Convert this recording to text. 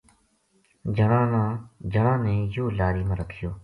جنا نے یوہ لاری ما رکھیو